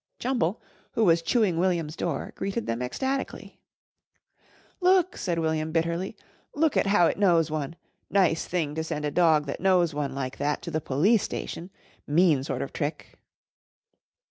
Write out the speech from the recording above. Jumble, who was chewing William's door, greeted them ecstatically. "Look!" said William bitterly. "Look at how it knows one! Nice thing to send a dog that knows one like that to the Police Station! Mean sort of trick!"